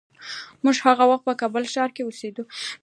موږ هغه وخت په کابل ښار کې اوسېدو.